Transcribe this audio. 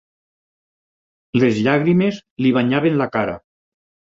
Les llàgrimes li banyaven la cara.